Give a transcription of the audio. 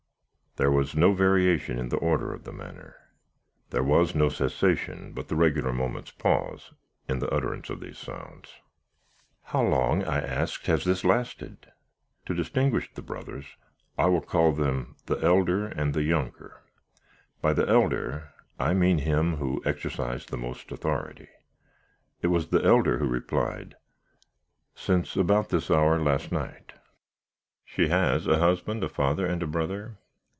There was no variation in the order, or the manner. There was no cessation, but the regular moment's pause, in the utterance of these sounds. "'How long,' I asked, 'Has this lasted?' "To distinguish the brothers, I will call them the elder and the younger; by the elder, I mean him who exercised the most authority. It was the elder who replied, 'Since about this hour last night.' "'She has a husband, a father, and a brother?'